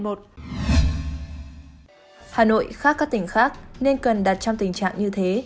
hà nội khác các tỉnh khác nên cần đặt trong tình trạng như thế